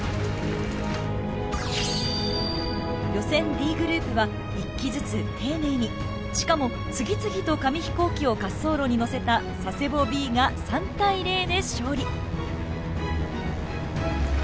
Ｄグループは１機ずつ丁寧にしかも次々と紙飛行機を滑走路にのせた佐世保Ｂが３対０で勝利。